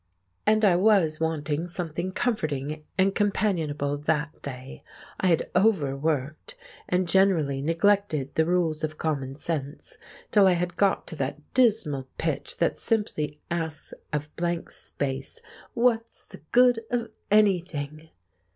And I was wanting something comforting and companionable that day. I had overworked and generally neglected the rules of common sense, till I had got to that dismal pitch that simply asks of blank space, "What's the good of anything?"